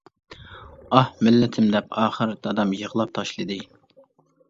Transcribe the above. ئاھ مىللىتىم دەپ ئاخىر، دادام يىغلاپ تاشلىدى.